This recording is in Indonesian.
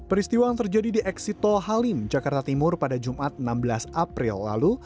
peristiwa yang terjadi di eksito halim jakarta timur pada jumat enam belas april lalu